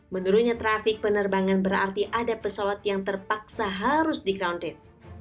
menurutnya trafik penerbangan berarti ada pesawat yang terpaksa harus di grounded